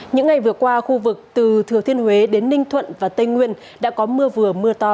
những ngày vừa qua khu vực từ thừa thiên huế đến ninh thuận và tây nguyên đã có mưa vừa mưa to